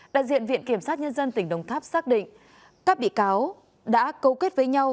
đại diện viện kiểm sát nhân dân tỉnh đồng tháp xác định các bị cáo đã cấu kết với nhau